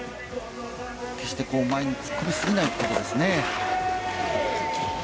前に突っ込みすぎないことですね。